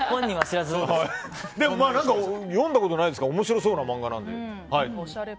でも、読んだことないですが面白そうな漫画なので。